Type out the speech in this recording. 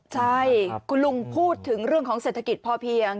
ใช่คุณลุงพูดถึงเรื่องของเศรษฐกิจพอเพียง